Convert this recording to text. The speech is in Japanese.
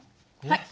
はい。